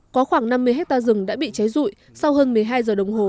có khoảng năm mươi hectare rừng đã bị cháy rụi sau hơn một mươi hai giờ đồng hồ